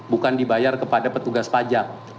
bukan dibayar kepada petugas pajak